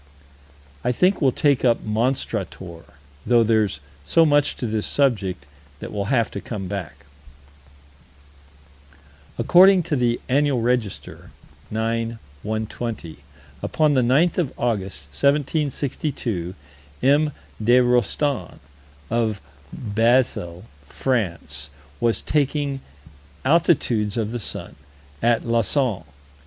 I think we'll take up Monstrator, though there's so much to this subject that we'll have to come back. According to the Annual Register, 9 120, upon the 9th of August, 1762, M. de Rostan, of Basle, France, was taking altitudes of the sun, at Lausanne.